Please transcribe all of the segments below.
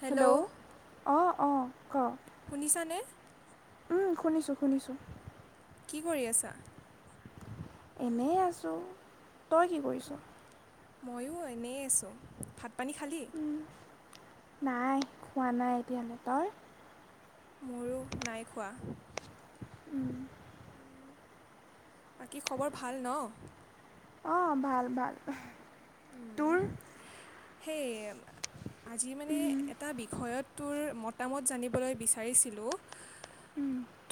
Hello hello অঁ অঁ ক? শুনিছানে? উম শুনিছোঁ শুনিছোঁ। কি কৰি আছা? এনেই আছোঁ, তই কি কৰিছ? ময়ো এনেই আছোঁ, ভাত - পানী খালী? ওম, নাই খোৱা নাই' এতিয়ালে তই? মোৰো নাই খোৱা। উম। ওম, বাকী খবৰ ভাল ন? অ ভাল ভাল। উম, তোৰ সেই আজি মানে এটা বিষয়ত তোৰ মতামত জানিবলৈ বিচাৰিছিলো।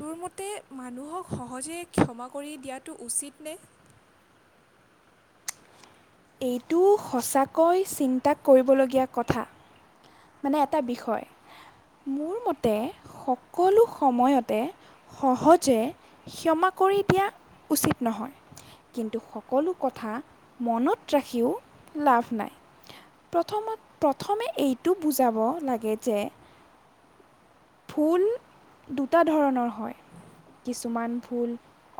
তোৰ মতে মানুহক সহজে ক্ষমা কৰি দিয়াটো উচিত নে? এইটো সঁচাকৈ চিন্তা কৰিবলগীয়া কথা। মানে এটা বিষয়। মোৰ মতে সকলো সময়তে সহজে- ক্ষমা কৰি দিয়া উচিত নহয়। কিন্তু সকলো কথা মনত ৰাখিও লাভ নাই। প্ৰথমত প্ৰথমে এইটো বুজাব লাগে যে- ভুল দুটা ধৰণৰ হয়। কিছুমান ভুল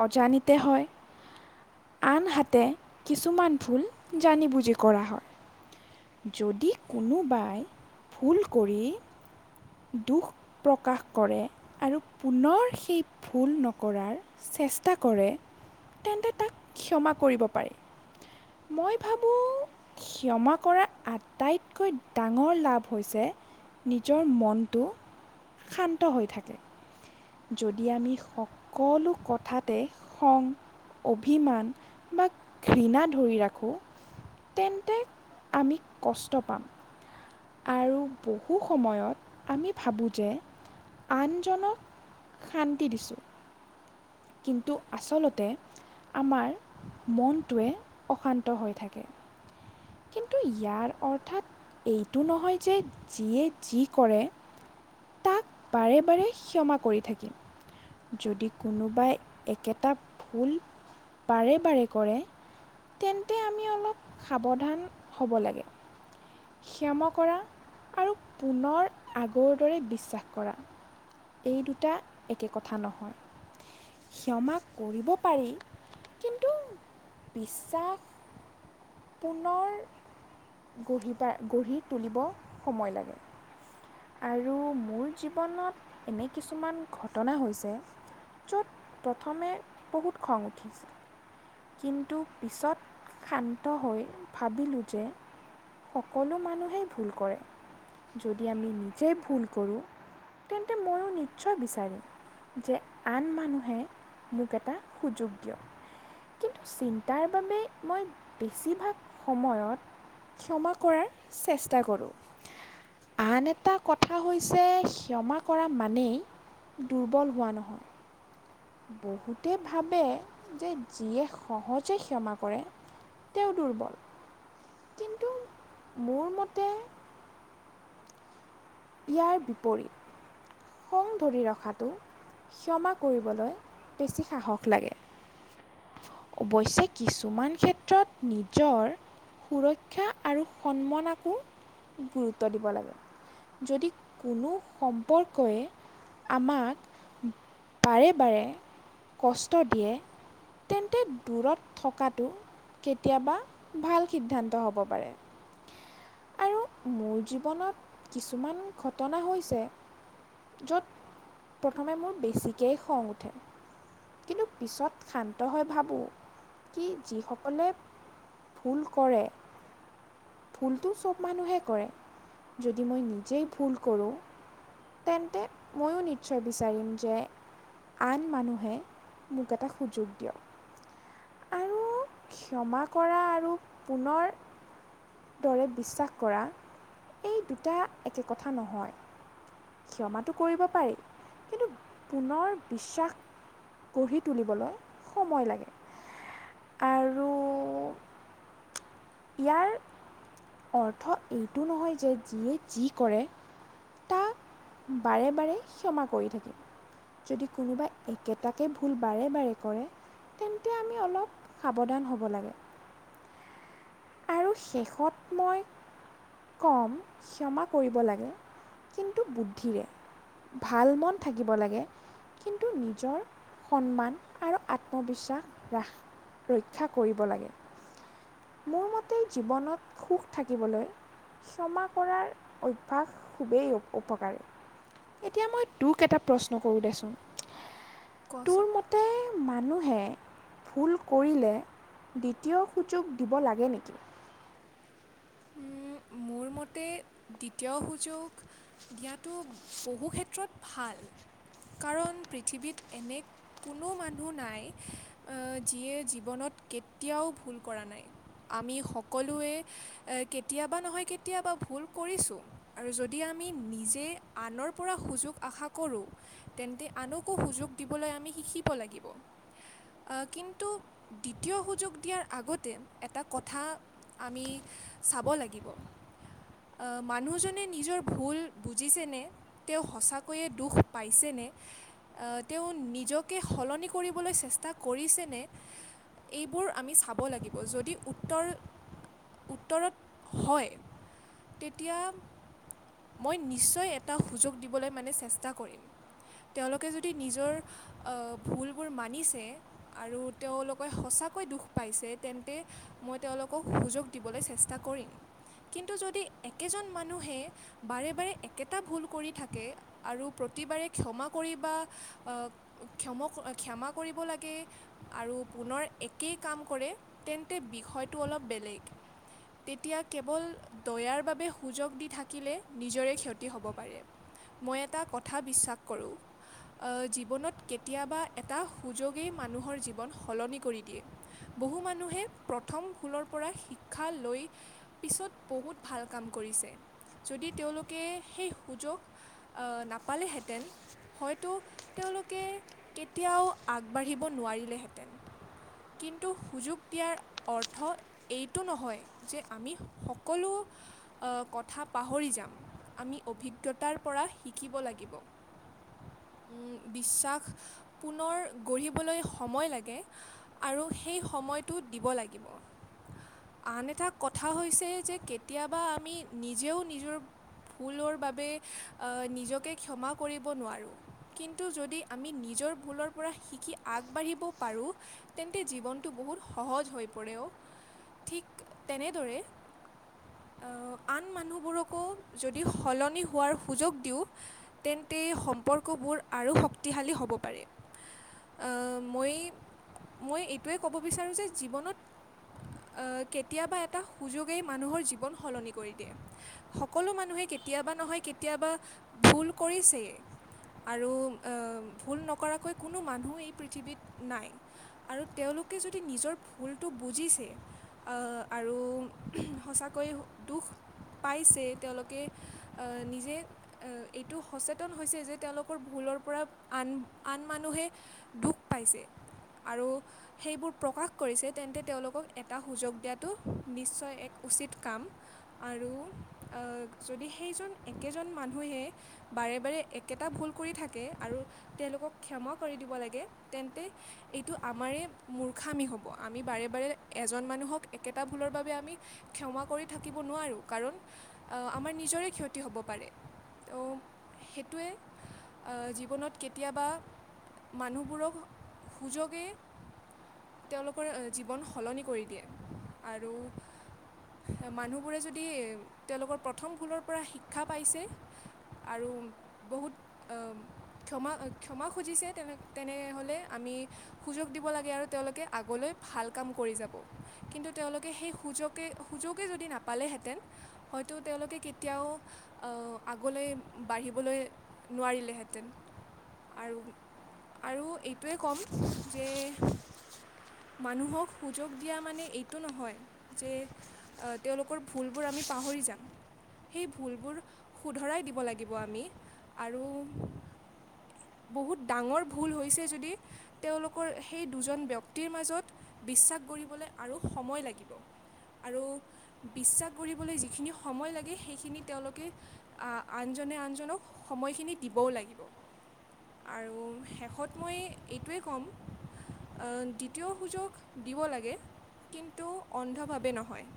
অজানিতে হয়, - আনহাতে কিছুমান ভুল জানি বুজি কৰা হয়। যদি কোনোবাই- ভুল কৰি- দুখ প্ৰকাশ কৰে আৰু পুনৰ সেই ভুল নকৰাৰ- চেষ্টা কৰে তেন্তে তাক ক্ষমা কৰিব পাৰি। মই ভাবোঁ- ক্ষমা কৰা আটাইতকৈ ডাঙৰ লাভ হৈছে নিজৰ মন- মনটো শান্ত হৈ থাকে। যদি আমি সকলো কথাতে খং- অভিমান বা ঘৃণা ধৰি ৰাখোঁ- তেন্তে আমি কষ্ট পাম। আৰু বহু সময়ত আমি ভাবোঁ যে আনজনক- শান্তি দিছোঁ। কিন্তু আচলতে আমাৰ মনটোৱে অশান্ত হৈ থাকে। কিন্তু ইয়াৰ অৰ্থত এইটো নহয় যে যিয়ে যি কৰে- তাক বাৰে বাৰে ক্ষমা কৰি থাকিম। যদি কোনোবাই একেটা ভূল বাৰে বাৰে কৰে- তেন্তে আমি অলপ সাৱধান হ'ব লাগে। ক্ষমা কৰা আৰু পুনৰ আগৰ দৰে বিশ্বাস কৰা- এই দুটা একে কথা নহয়। ক্ষমা কৰিব পাৰি, কিন্তু বিশ্বাস- পুনৰ গঢ়ি বা গঢ়ি তুলিব সময় লাগে। আৰু মোৰ জীৱনত এনে কিছুমান ঘটনা হৈছে- য'ত প্ৰথমে বহুত খং উঠিছিল- কিন্তু পিছত শান্ত হৈ ভাবিলোঁ যে- সকলো মানুহেই ভুল কৰে, যদি আমি নিজেই ভুল কৰোঁ- তেন্তে ময়ো নিশ্চয় বিচাৰিম- যে আন মানুহে মোক এটা সুযোগ দিয়ক। কিন্তু চিন্তাৰ বাবে মই বেছিভাগ সময়ত- ক্ষমা কৰাৰ চেষ্টা কৰোঁ। আন এট- এটা কথা হৈছে ক্ষমা কৰা মানেই দুৰ্বল হোৱা নহয়। বহুতে ভাবে, যে যিয়ে সহজে ক্ষমা কৰে- তেওঁ দুৰ্বল, কিন্তু মোৰ মতে- ইয়াৰ বিপৰীত। খং ধৰি ৰখাটো, ক্ষমা কৰিবলৈ বেছি সাহস লাগে। অৱশ্যে কিছুমান ক্ষেত্ৰত নিজৰ- সুৰক্ষা আৰু সন্মানকো গুৰুত্ব দিব লাগে। যদি কোনো সম্পৰ্কই- আমাক বাৰে বাৰে কষ্ট দিয়ে, তেন্তে দূৰত থকাটো- কেতিয়াবা ভাল সিদ্ধান্ত হ'ব পাৰে। আৰু মোৰ জীৱনত কিছুমান ঘটনা হৈছে, য'ত প্ৰথমে মোৰ বেছিকেই খং উঠে। কিন্তু পিছত শা- ন্ত হয় ভাবোঁ, কি যিসকলে ভুল কৰে- ভুলটো চব মানুহে কৰে, যদি মই নিজেই ভুল কৰোঁ- তেন্তে ময়ো নিশ্চয় বিচাৰিম যে- আন মানুহে মোক এটা সুযোগ- দিয়ক। আৰু ক্ষমা কৰা আৰু পুনৰ- দৰে বিশ্বাস কৰা, এই দুটা একে কথা নহয়। ক্ষমাটো কৰিব পাৰি, কিন্তু পুনৰ বিশ্বাস- গঢ়ি তুলিবলৈ সময় লাগে। আৰু- ইয়াৰ অৰ্থ এইটো নহয় যে যিয়ে যি কৰে- তাক বাৰে বাৰে ক্ষমা কৰি থাকিম। যদি কোনোবাই একেটাকে ভুল বাৰে বাৰে কৰে- তেন্তে আমি অলপ সাৱধান হ'ব লাগে। আৰু শেষত মই- কম ক্ষমা কৰিব লাগে, কিন্তু বুদ্ধিৰে। ভাল মন থাকিব লাগে। কিন্তু নিজৰ সন্মান আৰু আত্মবিশ্বাস ৰাস- ৰক্ষা কৰিব লাগে। মোৰ মতে জীৱনত সুখ থাকিবলৈ- ক্ষমা কৰাৰ অভ্যাস খুবেই উপকাৰী। এতিয়া মই তোক এটা প্ৰশ্ন কৰোঁ দেচোন? কচোন। প্ৰাই মানুহে ভুল কৰিলে দ্বিতীয় সুযোগ- দিব লাগে নেকি? উম, মোৰ মতে দ্বিতীয় সুযোগ- দিয়াটো বহু ক্ষেত্ৰত ভাল, কাৰণ পৃথিৱীত এনে- কোনো মানুহ নাই, এহ যিয়ে জীৱনত কেতিয়াও ভুল কৰা নাই। আমি সকলোৱে এহ কেতিয়াবা নহয় কেতিয়াবা ভুল কৰিছোঁ। আৰু যদি আমি নিজে আনৰ পৰা সুযোগ আশা কৰোঁ, তেন্তে আনকো সুযোগ দিবলৈ আমি শিকিব লাগিব। আ কিন্তু দ্বিতীয় সুযোগ দিয়াৰ আগতে এটা কথা- আমি চাব লাগিব। আ মানুহজনে নিজৰ ভুল বুজিছেনে? তেওঁ সঁচাকৈয়ে দুখ পাইছেনে? তেওঁ নিজকে সলনি কৰিবলৈ চেষ্টা কৰিছেনে? এইবোৰ আমি চাব লাগিব। যদি উত্তৰ উত্তৰত হয়, তেতিয়া মই নিশ্চয় এটা সুযোগ দিবলৈ মানে চেষ্টা কৰিম। তেওঁলোকে যদি নিজৰ অহ ভুলবোৰ মানিছে, আৰু তেওঁলোকে সঁচাকৈ দুখ পাইছে তেন্তে- মই তেওঁলোকক সুযোগ দিবলৈ চেষ্টা কৰিম। কিন্তু যদি একেজন মানুহে- বাৰে বাৰে একেটা ভূল কৰি থাকে আৰু প্ৰতিবাৰে ক্ষমা কৰিবা আহ' ক্ষম ক্ষমা কৰিব লাগে। আৰু পুনৰ একেই কাম কৰে তেন্তে বিষয়টো অলপ বেলেগ। তেতিয়া কেৱল- দয়াৰ বাবে সুযোগ দি থাকিলে নিজৰে ক্ষতি হ'ব পাৰে। মই এটা কথা বিশ্বাস কৰোঁ। অ' জীৱনত কেতিয়াবা এটা সুযোগেই মানুহৰ জীৱন সলনি কৰি দিয়ে। বহু মানুহে প্ৰথম ভূলৰ পৰা শিক্ষা লৈ পিছত- বহুত ভাল কাম কৰিছে, যদি তেওঁলোকে সেই সুযোগ- অ' নাপালেহেঁতেন- হয়তো তেওঁলোকে কেতিয়াওঁ আগবাঢ়িব নোৱাৰিলে হেঁতেন। কিন্তু সুযোগ দিয়াৰ অৰ্থ- এইটো নহয় যে আমি সকলো- কথা পাহৰি যাম, আমি অভিজ্ঞতাৰ পৰা শিকিব লাগিব। উমঁ' বিশ্বাস পুনৰ গঢ়িবলৈ সময় লাগে। আৰু সেই সময়টো দিব লাগিব। আন এটা কথা হৈছে যে কেতিয়াবা আমি নিজেও নিজৰ- ভূলৰ বাবে অ' নিজকে ক্ষমা কৰিব নোৱাৰোঁ। কিন্তু যদি আমি নিজৰ ভুলৰ পৰা শিকি আগবাঢ়িব পাৰোঁ- তেন্তে জীৱনটো বহুত সহজ হৈ পৰে অঁ। ঠিক তেনেদৰে- অঁ' আন মানুহবোৰকো যদি সলনি হোৱাৰ সুযোগ দিওঁ- তেন্তে সম্পৰ্কবোৰ আৰু শক্তিশালী হ'ব পাৰে। অঁ' মই- মই এইটোৱে ক'ব বিচাৰোঁ যে জীৱনত- অঁ' কেতিয়াবা এটা সুযোগেই মানুহৰ জীৱন সলনি কৰি দিয়ে। সকলো মানুহে কেতিয়াবা নহয় কেতিয়াবা ভুল কৰিছেই। আৰু অ' ভুল নকৰাকৈ কোনো মানুহ এই পৃথিৱীত নাই। আৰু তেওঁলোকে যদি নিজৰ ভুলটো বুজিছে- আৰু সঁচাকৈয়ে দুখ পাইছে তেওঁলোকে- আহ' নিজে- এইটো সচেতন হৈছে যে তেওঁলোকৰ ভুলৰ পৰা আন আন মানুহে- দুখ পাইছে। আৰু- সেইবোৰ প্ৰকাশ কৰিছে তেন্তে তেওঁলোকক এটা সুযোগ দিয়াটো নিশ্চয় এক উচিত কাম। আৰু অ' যদি সেইজন একেজন মানুহে- বাৰে বাৰে একেটা ভুল কৰি থাকে আৰু- তেওঁলোকক ক্ষমা কৰি দিব লাগে তেন্তে- এইটো আমাৰে মূৰ্খামি হ'ব, আমি বাৰে বাৰে এজন মানুহক একেটা ভুলৰ বাবে আমি- ক্ষমা কৰি থাকিব নোৱাৰোঁ, কাৰণ আমাৰ নিজৰে ক্ষতি হ'ব পাৰে। ত' সেইটোৱে, আহ' জীৱনত কেতিয়াবা- মানুহবোৰক সুযোগেই- তেওঁলোকৰ জীৱন সলনি দিয়ে আৰু- মানুহবোৰে যদি তেওঁলোকৰ প্ৰথম ভূলৰ পৰা শিক্ষা পাইছে- আৰু বহুত অম, ক্ষমা, ক্ষমা খুজিছে তেনে তেনেহ'লে। আমি সুযোগ দিব লাগে আৰু তেওঁলোকে আগলৈ ভাল কাম কৰি যাব। কিন্তু তেওঁলোকে সেই সুযোকে সুযোগে যদি নাপালেহেঁতেন, হয়তো তেওঁলোকে কেতিয়াওঁ - আগলৈ বাঢ়িবলৈ নোৱাৰিলেহেঁতেন। আৰু, আৰু এইটোৱে ক'ম যে মানুহক সুযোগ দিয়া মানে এইটো নহয়, যে তেওঁলোকৰ ভুলবোৰ আমি পাহৰি যাম। সেই ভুলবোৰ শুধৰাই দিব লাগিব আমি। আৰু, বহুত ডাঙৰ ভুল হৈছে যদি, তেওঁলোকৰ সেই দুজন ব্যক্তিৰ মাজত বিশ্বাস কৰিবলৈ আৰু সময় লাগিব। আৰু বিশ্বাস কৰিবলৈ যিখিনি সময় লাগে, সেইখিনি তেওঁলোকে আনজনে আনজনক সময়খিনি দিবও লাগিব। আৰু শেষত মই এইটোৱেই ক'ম। দ্বিতীয় সুযোগ দিব লাগে, কিন্তু অন্ধভাৱে নহয়।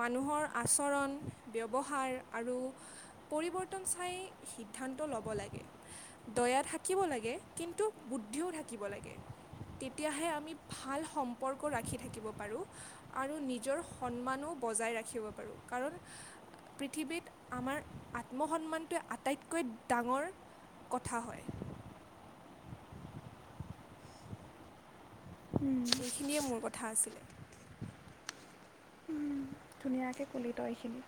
মানুহৰ আচৰণ, ব্যৱহাৰ, আৰু পৰিৱৰ্তন চাই সিদ্ধান্ত ল'ব লাগে। দয়া থাকিব লাগে, কিন্তু বুদ্ধিও থাকিব লাগে। তেতিয়াহে আমি ভাল সম্পৰ্ক ৰাখি থাকিব পাৰোঁ। আৰু নিজৰ সন্মানো বজাই ৰাখিব পাৰোঁ। কাৰণ, পৃথিৱীত আমাৰ আত্মসন্মানটোৱে আটাইতকৈ ডাঙৰ কথা হয়। উম। এইখিনিয়ে মোৰ কথা আছিলে। উম ধুনীয়াকে কলি ত‌ই এইখিনি।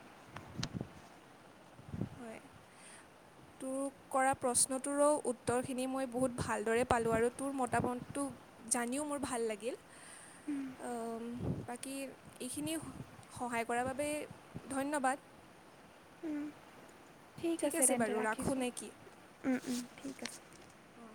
হয়। তোৰ কৰা প্ৰশ্নটোৰো উত্তৰখিনি মই বহুত ভালদৰে পালোঁ। আৰু তোৰ মতামতটো জানিও মোৰ ভাল লাগিল। অ বাকী এইখিনি- সহায় কৰাৰ বাবে ধন্যবাদ। ঠিক আছে বাৰু ৰাখোঁ নে কি? উম ঠিক আছে। অঁ